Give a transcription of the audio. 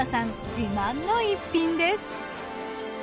自慢の逸品です。